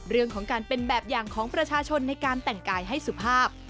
เรื่องของการเป็นแบบอย่างของประชาชนในการแต่งกายให้สุภาพ